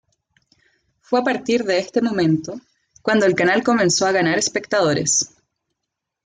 Fue a partir de este momento, cuando el canal comenzó a ganar espectadores.